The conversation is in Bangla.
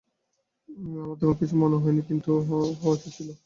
আমার তেমন কিছুই মনে হয়নি, কিন্তু হওয়া উচিৎ ছিল হয়ত।